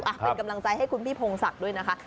เป็นกำลังใจให้คุณพี่พงศักดิ์ด้วยนะคะ